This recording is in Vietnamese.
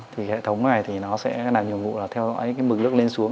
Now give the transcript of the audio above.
thì hệ thống này thì nó sẽ làm nhiệm vụ là theo dõi mực nước lên xuống